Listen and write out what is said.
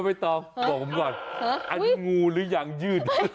ไม่ต้องบอกผมก่อนอันนี้งูหรือยางยืด